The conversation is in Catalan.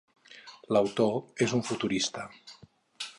L'autor és un futurista.